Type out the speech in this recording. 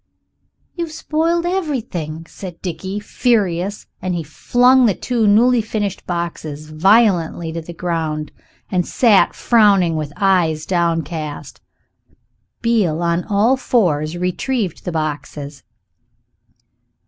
"You've spoiled everything," said Dickie, furious, and he flung the two newly finished boxes violently to the ground, and sat frowning with eyes downcast. Beale, on all fours, retrieved the boxes.